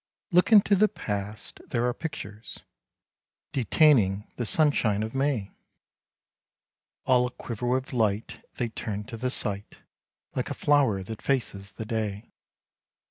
Look into the past there are pictures Detaining the sunshine of May, All aquiver with light they turn to the sight, Like a flower that faces the day.